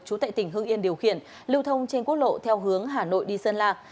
trú tại tỉnh hương yên điều khiển lưu thông trên quốc lộ theo hướng hà nội đi sơn lạc